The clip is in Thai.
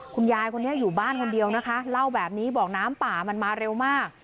คุณยายคนนี้อยู่บ้านคนเดียวนะคะเล่าแบบนี้บอกน้ำป่ามันมาเร็วมาก